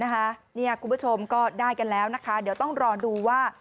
คุณผู้ชมก็ได้กันแล้วนะคะเดี๋ยวต้องรอดูว่า